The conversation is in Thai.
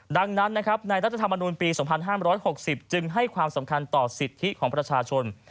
ดังนั้นนะครับในรัฐธรรมนูลปี๒๕๖๐จึงให้ความสำคัญต่อสิทธิของประชาชน